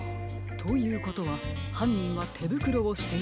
ということははんにんはてぶくろをしていたのかもしれませんね。